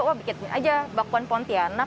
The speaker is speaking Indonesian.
wah bikin aja bakwan pontianak